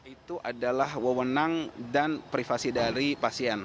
itu adalah wewenang dan privasi dari pasien